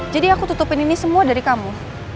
aku tutupin ini semua dari kamu